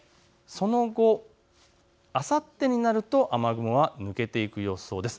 その後、あさってになると雨雲は抜けていく予想です。